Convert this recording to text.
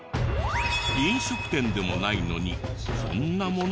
飲食店でもないのにこんなものまで。